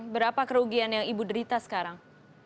berapa kerugian yang ibu derita sekarang